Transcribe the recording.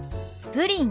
「プリン」。